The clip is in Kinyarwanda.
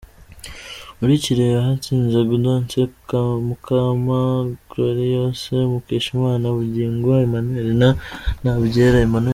Muri Kirehe hatsinze Gaudence Mukama, Gloriose Mukeshimana, Bugingo Emmanuel na Ntabyera Emmanuel.